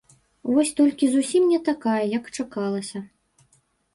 Вось толькі зусім не такая, як чакалася.